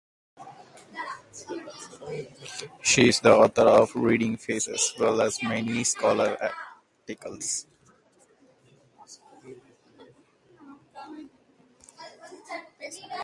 She is the author of "Reading Faces" as well as many scholarly articles.